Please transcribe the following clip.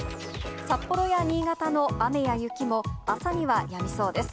札幌や新潟の雨や雪も、朝にはやみそうです。